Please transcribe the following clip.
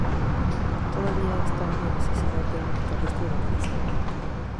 Todavía estaban en necesidad de un guitarrista y el batería.